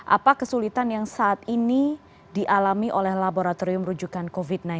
apa kesulitan yang saat ini dialami oleh laboratorium rujukan covid sembilan belas